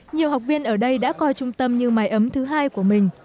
nhiều học viên ở đây đã coi trung tâm như mái ấm thứ hai